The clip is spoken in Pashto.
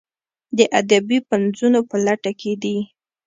د ادبي پنځونو په لټه کې دي.